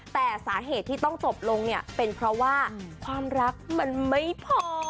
แต่สาเหตุที่ต้องจบลงเนี่ยเป็นเพราะว่าความรักมันไม่พอ